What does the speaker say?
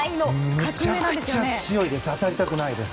めちゃめちゃ強いです。